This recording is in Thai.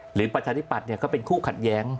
หรือประชาธิปัตย์เนี่ยเขาเป็นคู่ขัดแย้ง